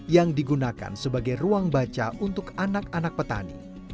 yang digunakan sebagai ruang baca untuk anak anak petani